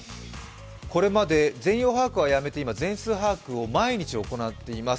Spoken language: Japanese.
これまで全容把握はやめて今、全数把握を毎日行っています。